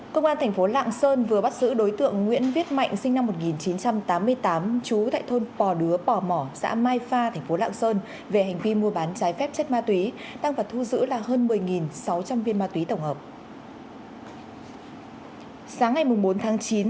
các bạn hãy đăng ký kênh để ủng hộ kênh của chúng mình nhé